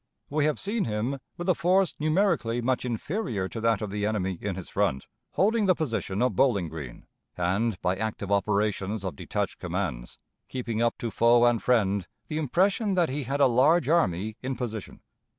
We have seen him, with a force numerically much inferior to that of the enemy in his front, holding the position of Bowling Green, and, by active operations of detached commands, keeping up to foe and friend the impression that he had a large army in position.